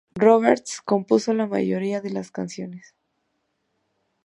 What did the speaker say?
Roberts compuso la mayoría de las canciones.